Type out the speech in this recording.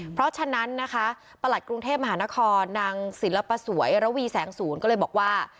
เพราะฉะนั้นนะคะประหลัดกรุงเทพมหานครนางศิลปสวยระวีแสงศูนย์ก็เลยบอกว่า